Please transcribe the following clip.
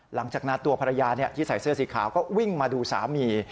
หลังจากนั้นตัวภรรยาที่ใส่เสื้อสีขาวก็วิ่งมาดูสามี